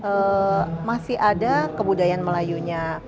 kedua negara yang masih ada kebudayaan melayunya